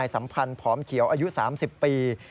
สัมพันธ์ผอมเขียวอายุ๓๐ปี